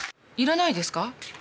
いらないですか？